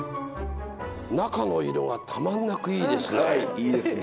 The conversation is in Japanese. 中の色がたまんなくいいですね。